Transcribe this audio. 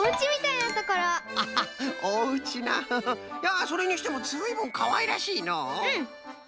いやそれにしてもずいぶんかわいらしいのう！